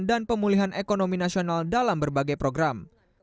dan pemulihan ekonomi nasional dalam berbagai program